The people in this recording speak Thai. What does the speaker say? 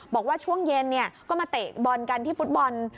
บอกว่าช่วงเย็นก็มาเตะบอลกันที่ฟุตบอล